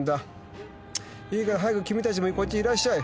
いいから早く君たちもこっちいらっしゃい。